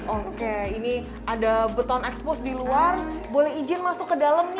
oke ini ada beton expose di luar boleh ijin masuk ke dalam nih